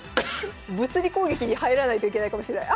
物理攻撃に入らないといけないかもしれない。